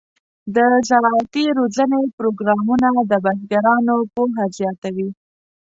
د زراعتي روزنې پروګرامونه د بزګرانو پوهه زیاتوي.